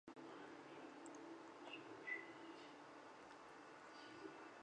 广地村是日本统治下的桦太厅真冈郡的已不存在的一村。